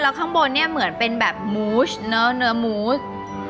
แล้วข้างบนเนี่ยเหมือนเป็นแบบมูสเนอะเนื้อมูส